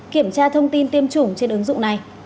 kiểm tra thông tin tiêm chủng trên ứng dụng này